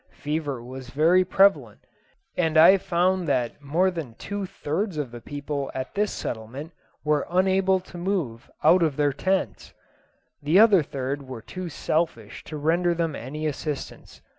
Fever was very prevalent, and I found that more than two thirds of the people at this settlement were unable to move out of their tents. The other third were too selfish to render them any assistance.